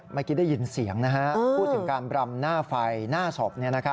เมื่อกี้ได้ยินเสียงพูดถึงการบรำหน้าไฟหน้าศพ